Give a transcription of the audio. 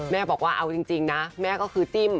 บอกว่าเอาจริงนะแม่ก็คือจิ้ม